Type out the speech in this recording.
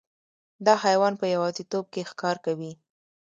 دا حیوان په یوازیتوب کې ښکار کوي.